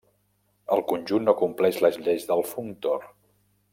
El conjunt no compleix les lleis del Functor.